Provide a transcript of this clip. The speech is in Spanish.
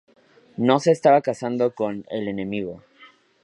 No se estaba casando con "el enemigo".